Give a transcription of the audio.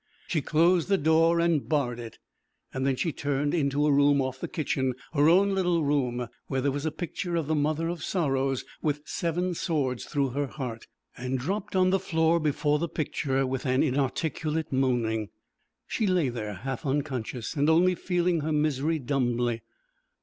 She closed the door and barred it. Then she turned into a room off the kitchen, her own little room, where there was a picture of the Mother of Sorrows with seven swords through her heart, and dropped on the floor before the picture with an inarticulate moaning. She lay there half unconscious, and only feeling her misery dumbly.